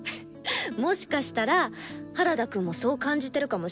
もしかしたら原田くんもそう感じてるかもしれないよ。